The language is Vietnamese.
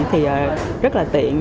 thì rất là tiện